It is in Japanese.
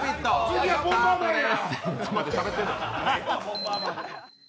次は「ボンバーマン」や！